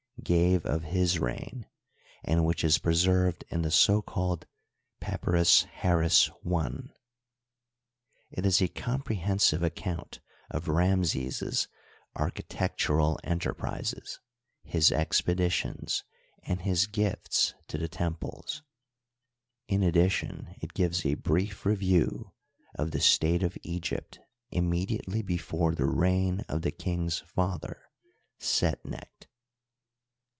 gave of his reig^, and which is pre served in the so called Papyrus Harris I ; it is a com prehensive account of Ramses's architectural enterprises, nis expeditions, and Ifis eifts to the" temples ; in addition it gives a brief review of the state of Egypt immediately be fore the reign of the king's father, Setnecht.